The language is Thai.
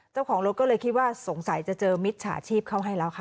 เจ้าของรถก็เลยคิดว่าสงสัยจะเจอมิจฉาชีพเข้าให้แล้วค่ะ